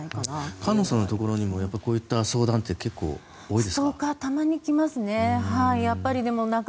菅野さんのところにもこういった相談っていうのは多いですか？